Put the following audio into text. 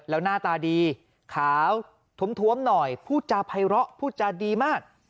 แล้วหน้าตาดีขาวท้วมหน่อยพูดจาภัยเลาะพูดจาดีมาก